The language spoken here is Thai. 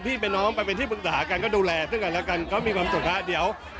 ด้วยลุงก็ไม่มีประสบการณ์ก็อาศัยที่อายเขามีประสบการณ์เลย